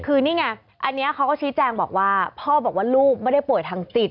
คือนี่ไงอันนี้เขาก็ชี้แจงบอกว่าพ่อบอกว่าลูกไม่ได้ป่วยทางจิต